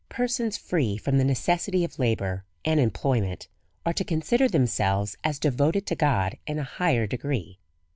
Persons free from the Necessity of Labour and Em ployment are to consider themselves as devoted to God in a higher degree.